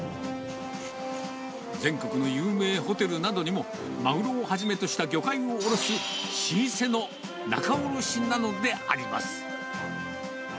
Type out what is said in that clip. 全国の有名ホテルなどにもマグロをはじめとした魚介を卸す老舗の仲卸なのであります。